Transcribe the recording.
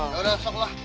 ya udah sok